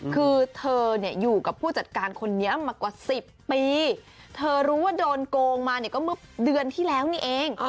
คือเธอเนี่ยอยู่กับผู้จัดการคนนี้มากว่า๑๐ปีเธอรู้ว่าโดนโกงมาเนี่ยก็เมื่อเดือนที่แล้วนี่เอง